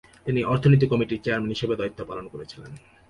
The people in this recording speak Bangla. তিনি অর্থনীতি কমিটির চেয়ারম্যান হিসাবেও দায়িত্ব পালন করেছিলেন।